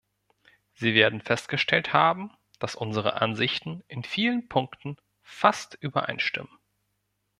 Sie werden festgestellt haben, dass unsere Ansichten in vielen Punkten fast übereinstimmen.